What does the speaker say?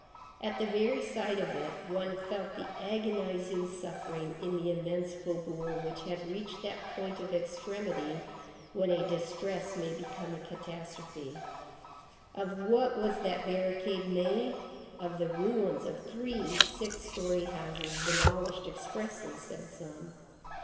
At the very sight of it, one felt the agonizing suffering in the immense faubourg, which had reached that point of extremity when a distress may become a catastrophe. Of what was that barricade made? Of the ruins of three six story houses demolished expressly, said some.